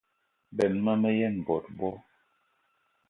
Benn ma me yen bot bo.